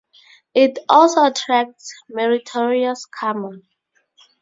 It also attracts meritorious karma.